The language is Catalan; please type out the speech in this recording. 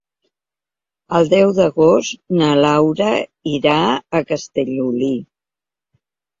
El deu d'agost na Laura irà a Castellolí.